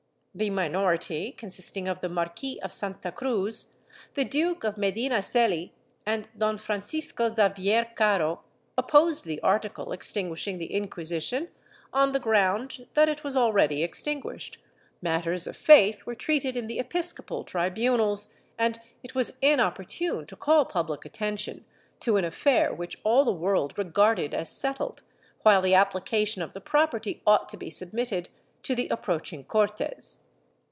The minority, consisting of the ]\larquis of Santa Cruz, the Duke of Medinaceli and Don Francisco Xavier Caro, opposed the article extinguishing the Inquisition, on the ground that it was already extinguished, matters of faith were treated in the episcopal tribunals, and it was inopportune to call public attention to an affair which all the world regarded as settled, while the application of the property ought to be submitted to the approaching Cortes.